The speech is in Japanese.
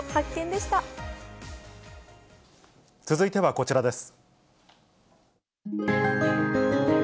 でし続いてはこちらです。